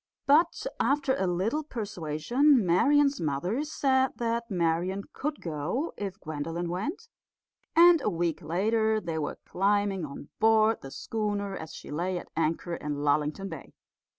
But after a little persuasion Marian's mother said that Marian could go if Gwendolen went; and a week later they were climbing on board the schooner as she lay at anchor in Lullington Bay.